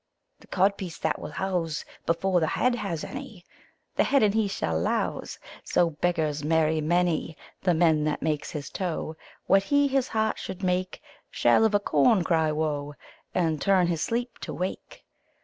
The codpiece that will house Before the head has any, The head and he shall louse: So beggars marry many. The man that makes his toe What he his heart should make Shall of a corn cry woe, And turn his sleep to wake.